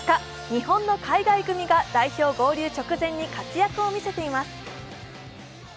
日本の海外組が代表合流直前に活躍を見せています。